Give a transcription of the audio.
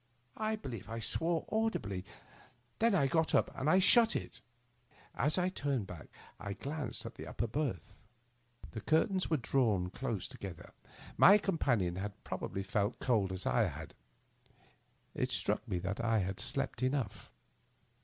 I believe I swore audibly. Then I got up and shut it. As I turned back I glanced at the upper berth. The curtains were drawn close together ; my companion had probably felt cold as Digitized by VjOOQIC THE UPPER BERTH. 27 well as I. It Struck me that I had slept enough.